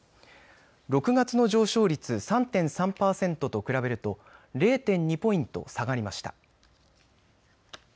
６月の上昇率３．３％と比べると０．２ポイント下がりました。